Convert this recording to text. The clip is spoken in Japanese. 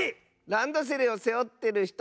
ランドセルをせおってるひと！